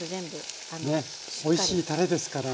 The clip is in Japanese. おいしいたれですからね。